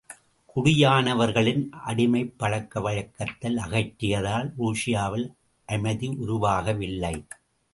குடியானவர்களின் அடிமைப் பழக்க வழக்கத்தை அகற்றியதால் ருஷியாவில் அமைதி உருவாகவில்லை.